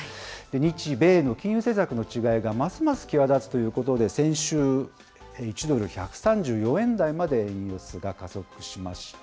日米の金融政策の違いがますます際立つということで、先週、１ドル１３４円台まで円安が加速しま